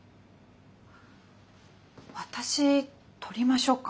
私撮りましょうか？